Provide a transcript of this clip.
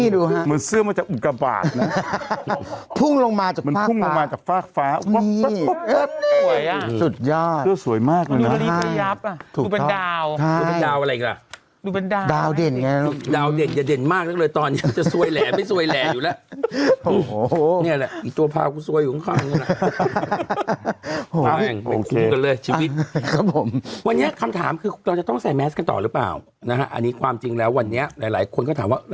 สวัสดีกันชัยฉันไม่ได้เจอเธอนานน่ะสวัสดีพี่หนุ่มกับผมนะครับ